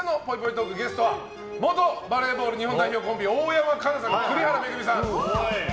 トークゲストは元バレーボール日本代表コンビ大山加奈さんと栗原恵さん。